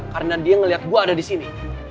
karena dia ngeliat gue ada di sini